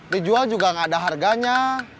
dijual juga nggak ada harganya